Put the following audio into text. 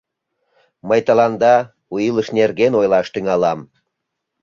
Мый тыланда у илыш нерген ойлаш тӱҥалам.